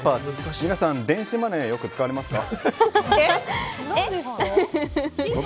皆さん、電子マネーよく使われますか？